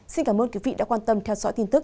xin cảm ơn quý vị đã quan tâm theo dõi tin tức